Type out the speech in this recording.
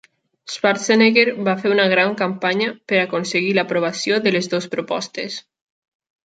Schwarzenegger va fer una gran campanya per aconseguir l'aprovació de les dues propostes.